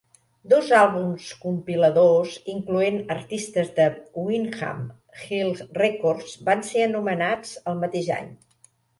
Dos àlbums compiladors incloent artistes de Windham Hill Records van ser anomenats el mateix any.